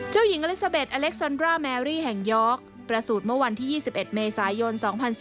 เจ้าหญิงอเล็กซาเบ็ดอเล็กซอนดราแมรี่แห่งยอร์กประสูจน์เมื่อวันที่๒๑เมษายน๒๔